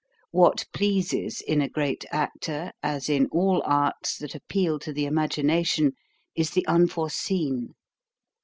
What pleases in a great actor, as in all arts that appeal to the imagination, is the unforeseen.